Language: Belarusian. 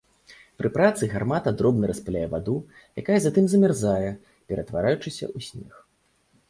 Пры працы гармата дробна распыляе ваду, якая затым замярзае, ператвараючыся ў снег.